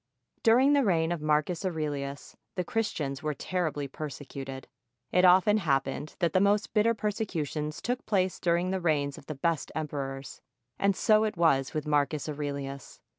During the reign of Marcus Aurelius the Christians were terribly persecuted. It often happened that the most bitter persecutions took place during the reigns of the best emperors; and so it was with Marcus Aurelius.